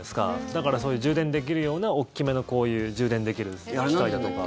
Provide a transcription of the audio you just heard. だからそういう充電できるような大きめのこういう充電できる機械だとか。